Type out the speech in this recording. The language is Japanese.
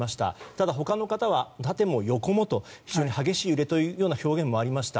ただ、他の方は縦も横もと非常に激しい揺れだという表現もありました。